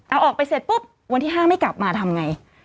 เอาออกไปเสร็จปุ๊บวันที่๕ไม่กลับมาทำไง